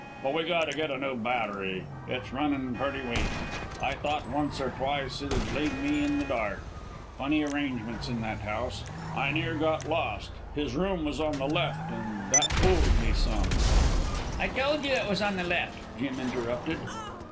"But we got to get a new battery. It's runnin' pretty weak. I thought once or twice it'd leave me in the dark. Funny arrangements in that house. I near got lost. His room was on the left, an' that fooled me some." "I told you it was on the left," Jim interrupted.